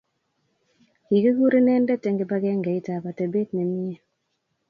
Kikikur inendet eng kibangengeit ab atebet nemie